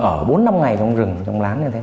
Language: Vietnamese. ở bốn năm ngày trong rừng